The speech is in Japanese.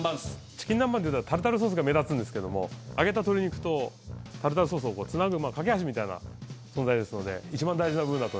チキン南蛮っていったらタルタルソースが目立つんですけども揚げた鶏肉とタルタルソースをつなぐ懸け橋みたいな存在ですので一番大事な部分だと思います。